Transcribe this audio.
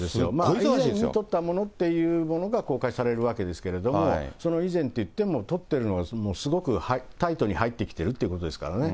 以前に撮ったものが公開されるわけですけれども、その以前といっても、撮ってるのが、すごくタイトに入ってきてるってことですからね。